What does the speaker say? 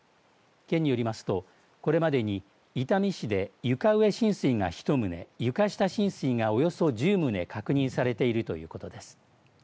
県によりますと、これまでに伊丹市で床上浸水が１棟床下浸水がおよそ１０棟確認されているということです。